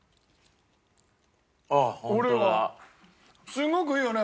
すごくいいよね。